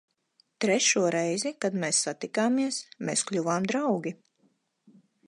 Trešo reizi, kad mēs satikāmies, mēs kļuvām draugi.